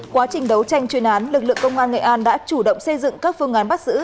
quá trình đấu tranh chuyên án lực lượng công an nghệ an đã chủ động xây dựng các phương án bắt giữ